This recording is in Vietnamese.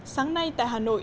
sáng nay tại hà nội